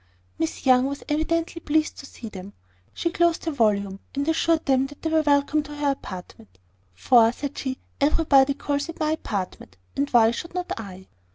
Miss Young was evidently pleased to see them. She closed her volume, and assured them they were welcome to her apartment; "For," said she, "everybody calls it my apartment, and why should not I?"